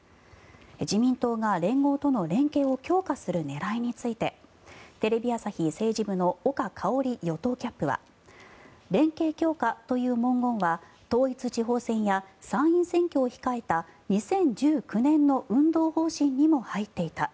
自民党が連合との連携を強化する狙いについてテレビ朝日政治部の岡香織与党キャップは連携強化という文言は統一地方選や参院選挙を控えた２０１９年の運動方針にも入っていた。